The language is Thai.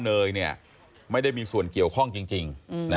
เนยไม่ได้มีส่วนเกี่ยวข้องจริง